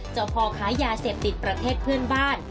พ่อค้ายาเสพติดประเทศเพื่อนบ้าน